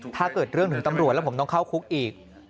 ถ้าเกิดเรื่องถึงตำรวจแล้วผมต้องเข้าคุกอีก